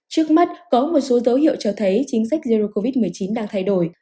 trước mắt có một số dấu hiệu cho thấy chính sách zero covid một mươi chín đang thay đổi